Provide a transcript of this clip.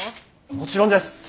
もちろんです！